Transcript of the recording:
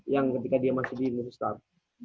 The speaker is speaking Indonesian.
yang ketika dia masih di miroslav